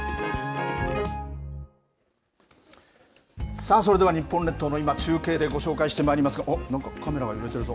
さあそれでは、日本列島の今、中継でご紹介してまいりますが、なんか、カメラが揺れてるぞ。